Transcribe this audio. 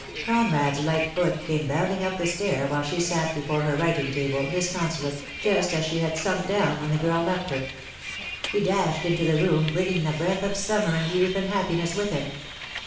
Conrad's light foot came bounding up the stair while she still sat before her writing table discon solate, just as she had sunk down when the girl left her. He dashed into the room, bringing the breath of summer and youth and happiness wth him.